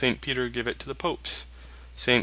Peter give it to the Popes. St.